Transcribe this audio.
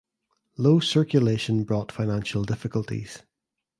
Low circulation brought financial difficulties.